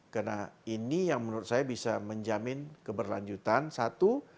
karena ini yang menurut saya bisa menjamin keberlanjutan satu